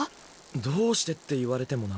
どうしてって言われてもなぁ。